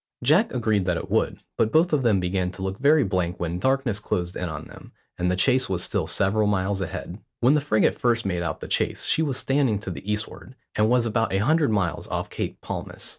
Jack agreed that it would, but both of them began to look very blank when darkness closed in on them, and the chase was still several miles ahead. When the frigate first made out the chase she was standing to the eastward, and was about a hundred miles off Cape Palmas.